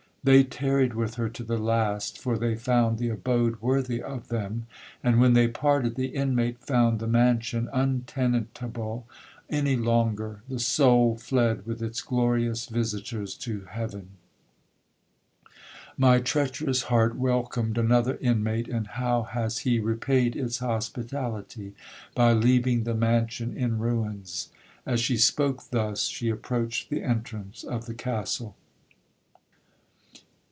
They tarried with her to the last, for they found the abode worthy of them; and when they parted, the inmate found the mansion untenantable any longer—the soul fled with its glorious visitors to heaven! My treacherous heart welcomed another inmate, and how has he repaid its hospitality?—By leaving the mansion in ruins!' As she spoke thus, she approached the entrance of the Castle.